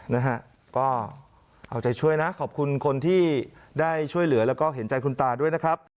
นะฮะก็เอาใจช่วยนะขอบคุณคนที่ได้ช่วยเหลือแล้วก็เห็นใจคุณตาด้วยนะครับ